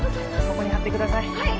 ここに貼ってください